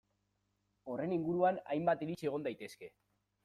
Horren inguruan hainbat iritzi egon daitezke.